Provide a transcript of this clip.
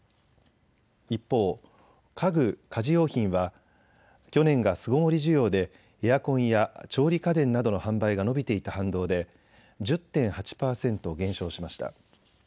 一方、家具・家事用品は去年が巣ごもり需要でエアコンや調理家電などの販売が伸びていた反動で１０．８％減少しました。